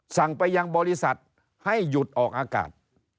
สั่งไปยังบริษัทให้หยุดออกอากาศ